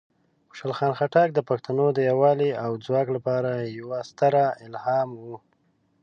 خوشحال خان خټک د پښتنو د یوالی او ځواک لپاره یوه ستره الهام وه.